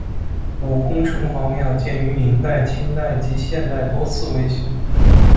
武功城隍庙建于明代，清代及现代多次维修。